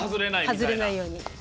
外れないように。